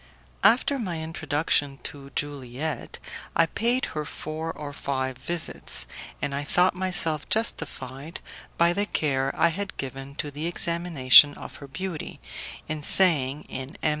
After my introduction to Juliette, I paid her four or five visits, and I thought myself justified, by the care I had given to the examination of her beauty, in saying in M.